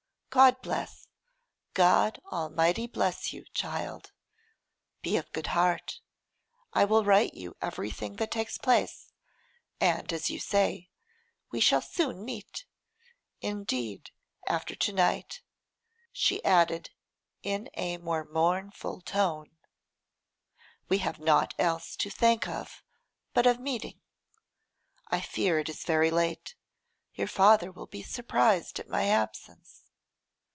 God bless, God Almighty bless you, child. Be of good heart. I will write you everything that takes place, and, as you say, we shall soon meet. Indeed, after to night,' she added in a more mournful tone, 'we have naught else to think of but of meeting. I fear it is very late. Your father will be surprised at my absence.